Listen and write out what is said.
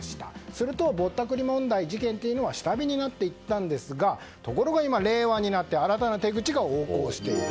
すると、ぼったくり事件は下火になっていったんですがところが今、令和になって新たな手口が横行している。